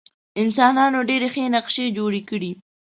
انسانانو ډېرې ښې نقشې جوړې کړې.